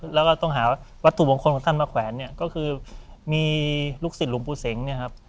แล้วก็ต้องหาวัตถุมงคลของท่านมาแขวนเนี่ยก็คือมีลูกศิษย์หลวงปู่เสงเนี่ยครับ